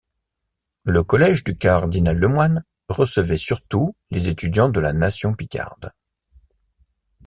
Le collège du cardinal Lemoine recevait surtout les étudiants de la Nation picarde.